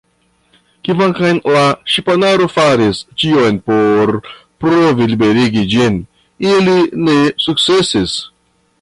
Kvankam la ŝipanaro faris ĉion por provi liberigi ĝin, ili ne sukcesis.